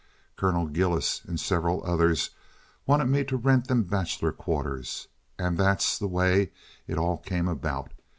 Colonel Gillis and several others wanted me to rent them bachelor quarters, and that's the way it all came about.